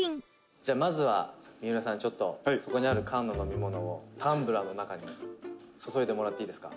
「じゃあ、まずは三浦さんちょっとそこにある缶の飲み物をタンブラーの中に注いでもらっていいですか？」